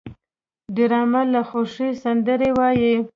ډرامه له خوښۍ سندرې وايي